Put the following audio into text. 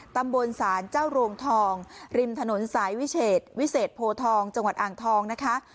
ตำบลศาลเจ้าโรงทองริมถนนสายวิเศษวิเศษโพทองจังหวัดอ่างทองนะคะ